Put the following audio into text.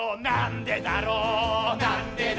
「なんでだろう」